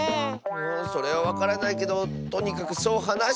それはわからないけどとにかくそうはなしてたッス。